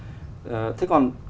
cái quan trọng nhất